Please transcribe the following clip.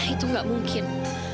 itu enggak mungkin